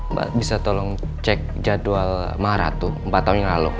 mbak bisa tolong cek jadwal marath empat tahun yang lalu